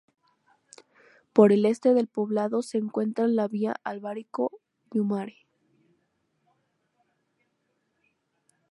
Por el este del poblado, se encuentra la vía Albarico-Yumare.